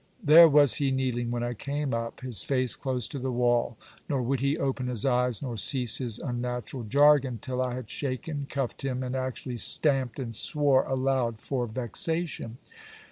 There was he kneeling when I came up, his face close to the wall: nor would he open his eyes, nor cease his unnatural jargon, till I had shaken, cuffed him, and actually stamped and swore aloud for vexation.